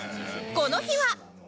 この日は